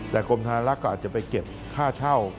แต่กรมธนลักษณ์ก็อาจจะไปเก็บค่าเช่า